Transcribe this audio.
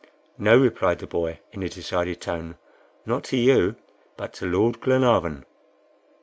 "No," replied the boy, in a decided tone; "not to you, but to Lord Glenarvan."